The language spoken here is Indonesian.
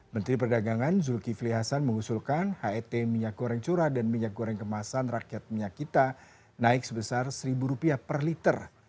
menteri perdagangan zulkifli hasan mengusulkan het minyak goreng curah dan minyak goreng kemasan rakyat minyak kita naik sebesar rp satu per liter